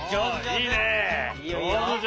いいねえ。